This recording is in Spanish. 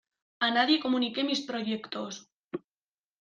A nadie comuniqué mis proyectos.